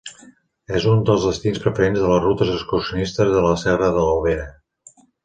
És un dels destins preferents de les rutes excursionistes de la Serra de l'Albera.